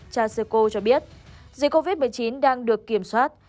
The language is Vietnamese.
cha sư cô cho biết dịch covid một mươi chín đang được kiểm soát